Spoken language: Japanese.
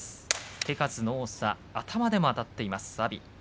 手数の多さ頭でもあたっている阿炎。